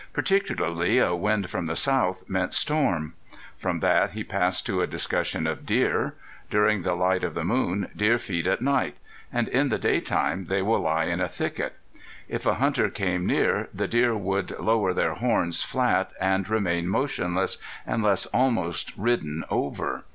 Particularly a wind from the south meant storm. From that he passed to a discussion of deer. During the light of the moon deer feed at night; and in the day time they will lie in a thicket. If a hunter came near the deer would lower their horns flat and remain motionless, unless almost ridden over.